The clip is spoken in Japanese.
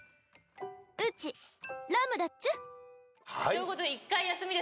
「うちラムだっちゃ」ということで。